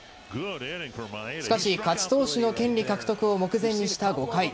しかし勝ち投手の権利獲得を目前にした５回。